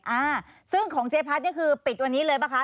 อ่าซึ่งของเจ๊พัดนี่คือปิดวันนี้เลยป่ะคะ